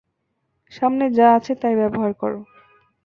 সামনে যা আছে তাই ব্যবহার কর!